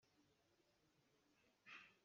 A ke thui aa harh ngai.